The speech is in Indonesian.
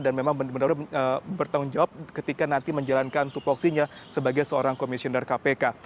dan memang benar benar bertanggung jawab ketika nanti menjalankan tukloksinya sebagai seorang komisioner kpk